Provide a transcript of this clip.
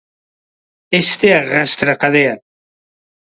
Este arrastra a cadea.